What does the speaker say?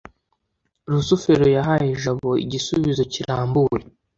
rusufero yahaye jabo igisubizo kirambuye